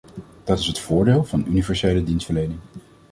Dat is het voordeel van universele dienstverlening.